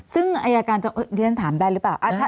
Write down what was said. ซึ่งอัยการจังหวัดที่ฉันถามได้หรือเปล่า